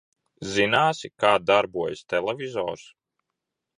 Zināsi, kā darbojas televizors?